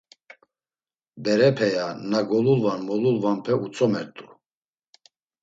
Berepe, ya na golulvan molunvanpe utzomert̆u.